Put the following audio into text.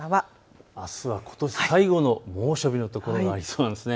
あすはことし最後の猛暑日の所がありそうです。